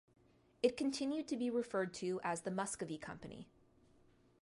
It continued to be referred to as the Muscovy Company.